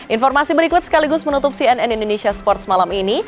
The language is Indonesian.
informasi berikut sekaligus menutup cnn indonesia sports malam ini